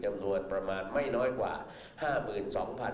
จำนวนประมาณไม่น้อยกว่า๕๒๐๐๐บาท